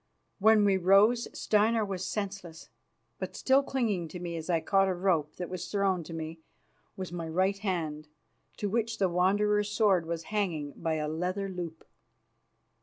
When we rose Steinar was senseless, but still clinging to me as I caught a rope that was thrown to me with my right hand, to which the Wanderer's sword was hanging by a leathern loop.